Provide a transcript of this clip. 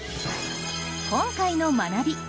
今回の学び。